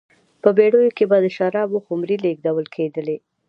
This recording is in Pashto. په بېړیو کې به د شرابو خُمرې لېږدول کېدلې